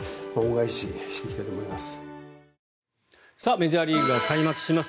メジャーリーグが開幕します。